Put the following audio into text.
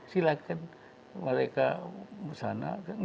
silakan mereka sana